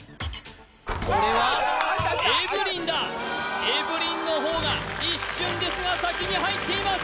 これはエブリンだエブリンの方が一瞬ですが先に入っています